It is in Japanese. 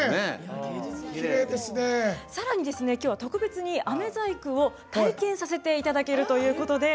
さらに今日は特別にあめ細工を体験させていただけるということで。